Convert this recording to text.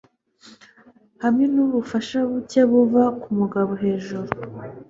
hamwe nubufasha buke buva kumugabo hejuru